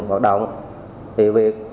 hoạt động thì việc